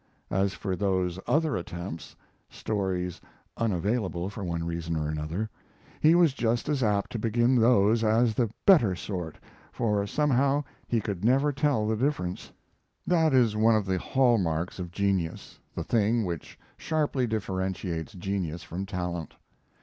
As for those other attempts stories "unavailable" for one reason or another he was just as apt to begin those as the better sort, for somehow he could never tell the difference. That is one of the hall marks of genius the thing which sharply differentiates genius from talent.